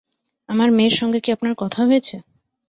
আমার মেয়ের সঙ্গে কি আপনার কথা হয়েছে?